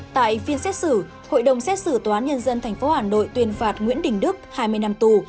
tại phiên xét xử hội đồng xét xử toán nhân dân thành phố hà nội tuyên phạt nguyễn đình đức hai mươi năm tù